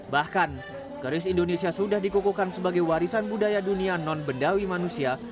bahkan keris indonesia sudah dikukukan sebagai warisan budaya dunia non bendawi manusia